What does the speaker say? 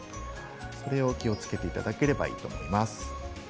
それを気をつけていただければいいと思います。